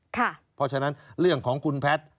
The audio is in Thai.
เพราะฉะนั้นเรื่องของคุณแพทย์